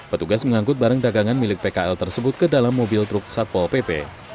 petugas mengangkut barang dagangan milik pkl tersebut ke dalam mobil truk satpol pp